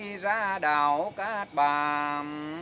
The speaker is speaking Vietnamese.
khi đi ra đảo cát bàn